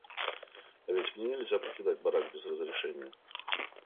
А ведь мне нельзя покидать барак без разрешения.